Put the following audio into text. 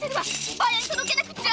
番屋に届けなくっちゃ！